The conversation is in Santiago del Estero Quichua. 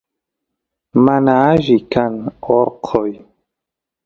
mana alli kan onqoy